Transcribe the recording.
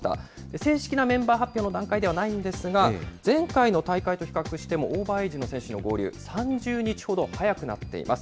正式なメンバー発表の段階ではないんですが、前回の大会と比較してもオーバーエイジの選手の合流、３０日ほど早くなっています。